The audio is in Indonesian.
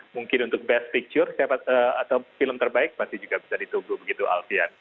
mungkin untuk best picture atau film terbaik masih juga bisa ditunggu begitu alfian